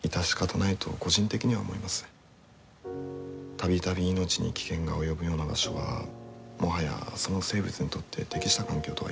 度々命に危険が及ぶような場所はもはやその生物にとって適した環境とは言えない。